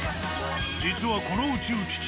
実はこの宇宙基地